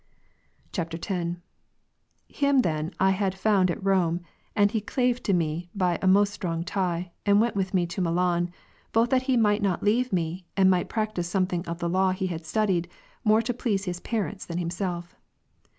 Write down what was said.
[X.] 16. Him then I had found at Rome, and he clave to me by a most strong tie, and went with me to Milan, both that he might not leave me, and might practise something of the law he had studied, more to please his parents, than himself.